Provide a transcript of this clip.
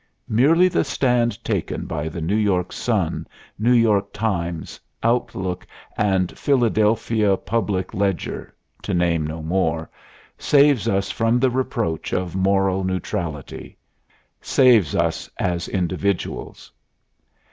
Merely the stand taken by the New York Sun, New York Times, Outlook and Philadelphia Public Ledger to name no more saves us from the reproach of moral neutrality: saves us as individuals.